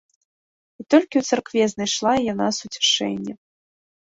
І толькі ў царкве знайшла яна суцяшэнне.